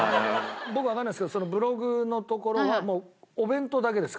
僕わかんないですけどそのブログのところはお弁当だけですか？